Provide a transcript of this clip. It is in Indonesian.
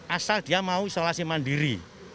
asal dia mau isolasi mandiri